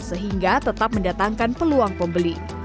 sehingga tetap mendatangkan peluang pembeli